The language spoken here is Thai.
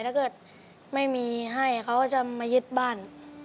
ถ้าเกิดไม่มีให้เขาจะมายึดบ้าน